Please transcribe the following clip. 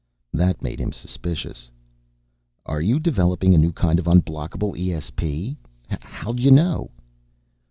That made him suspicious. "Are you developing a new kind of unblockable ESP? How'd you know?"